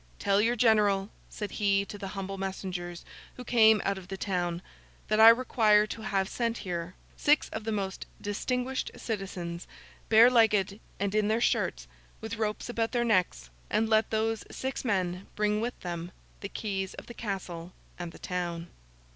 'Tell your general,' said he to the humble messengers who came out of the town, 'that I require to have sent here, six of the most distinguished citizens, bare legged, and in their shirts, with ropes about their necks; and let those six men bring with them the keys of the castle and the town.